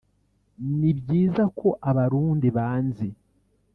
ni byiza ko abarundi banzi